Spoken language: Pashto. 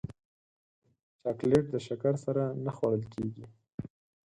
چاکلېټ د شکر سره نه خوړل کېږي.